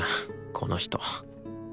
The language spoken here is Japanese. この人。